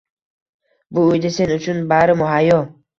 Bu uyda sen uchun bari muhayyo